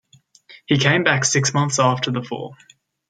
He came back six months after the fall.